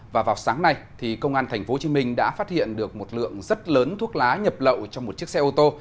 và vào sáng nay công an tp hcm đã phát hiện được một lượng rất lớn thuốc lá nhập lậu trong một chiếc xe ô tô